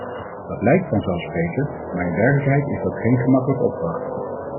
Dat lijkt vanzelfsprekend, maar in werkelijkheid is dat geen gemakkelijke opdracht.